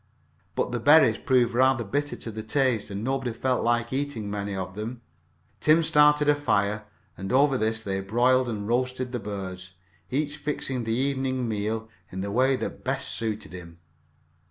But the berries proved rather bitter to the taste and nobody felt like eating many of them. Tim started a fire, and over this they broiled and roasted the birds, each fixing the evening meal in the way that best suited him.